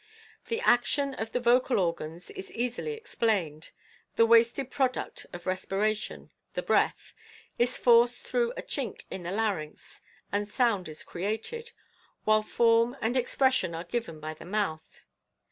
The action of the vocal organs is easily explained. The wasted product of respiration, the breath, is forced through a chink in the larynx and sound is created, while form and ex pression are given by the mouth.